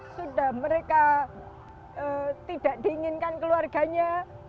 sudah mereka tidak diinginkan keluarganya